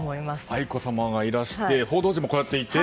愛子さまがいらして報道陣もこうやっていて。